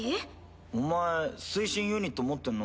お前推進ユニット持ってんの？